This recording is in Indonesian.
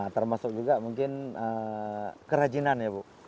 termasuk juga mungkin kerajinan ya bu